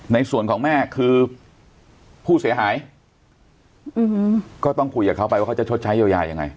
ในส่วนของแม่คือผู้เสียหายก็ต้องคุยกับเขาไปว่าเขาจะชดใช้เยียวยายังไง